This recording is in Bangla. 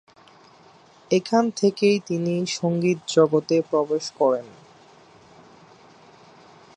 এখান থেকেই তিনি সংগীত জগতে প্রবেশ করেন।